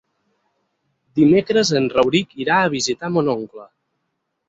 Dimecres en Rauric irà a visitar mon oncle.